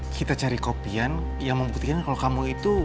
kita cari kopian yang membuktikan kalau kamu itu